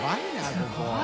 すごい！